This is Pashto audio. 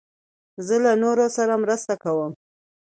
زه له نورو سره مرسته کوم.